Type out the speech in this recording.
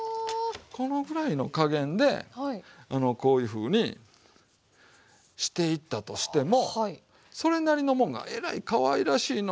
このくらいの加減でこういうふうにしていったとしてもそれなりのもんがえらいかわいらしいの。